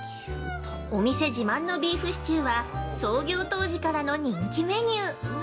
◆お店自慢のビーフシチューは、創業当時からの人気メニュー！